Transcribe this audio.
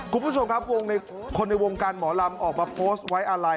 คุณผู้ชมครับวงในคนในวงการหมอลำออกมาโพสต์ไว้อะไร